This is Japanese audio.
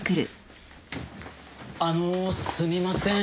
あのうすみません。